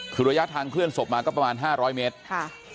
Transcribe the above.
คือระยะทางเคลื่อนศพมาก็ประมาณ๕๐๐เมตรค่ะ